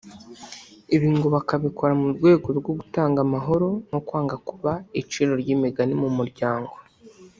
ibi ngo bakabikora mu rwego rwo gutanga amahoro no kwanga kuba iciro ry’imigani mu muryango